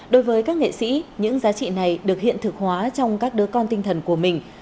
đối với các nghệ sĩ những giá trị này được hiện thực hóa trong các đứa con tinh thần của mình